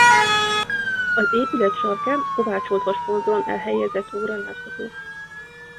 Az épület sarkán kovácsoltvas konzolon elhelyezett óra látható.